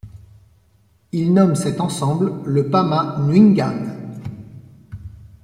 Il nomme cet ensemble le pama-nyungan.